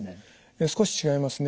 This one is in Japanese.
ええ少し違いますね。